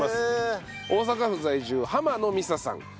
大阪府在住浜野美沙さん。